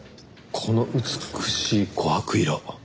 この美しい琥珀色。